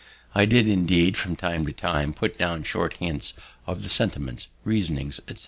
I did, indeed, from time to time, put down short hints of the sentiments, reasonings, etc.